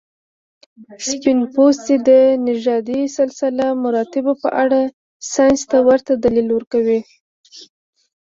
سپین پوستي د نژادي سلسله مراتبو په اړه ساینس ته ورته دلیل ورکوي.